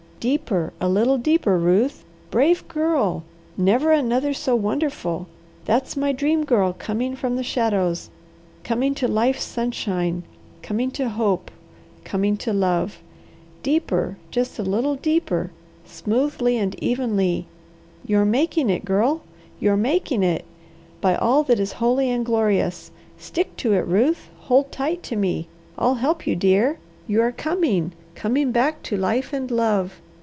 Deeper, a little deeper, Ruth! Brave Girl, never another so wonderful! That's my Dream Girl coming from the shadows, coming to life's sunshine, coming to hope, coming to love! Deeper, just a little deeper! Smoothly and evenly! You are making it, Girl! You are making it! By all that is holy and glorious! Stick to it, Ruth, hold tight to me! I'll help you, dear! You are coming, coming back to life and love.